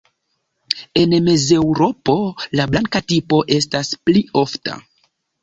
En Mezeŭropo la „blanka tipo“ estas pli ofta.